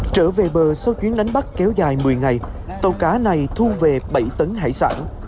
trở về bờ sau chuyến đánh bắt kéo dài một mươi ngày tàu cá này thu về bảy tấn hải sản